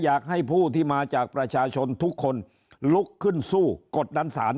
อยากให้ผู้ที่มาจากประชาชนทุกคนลุกขึ้นสู้กดดันสาร